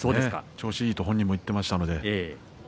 調子いいと本人も言っていましたのでね。